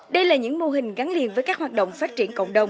đây là những mô hình gắn liền với các hoạt động phát triển cộng đồng